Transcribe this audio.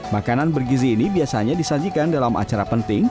makanan bergizi ini biasanya disajikan dalam acara penting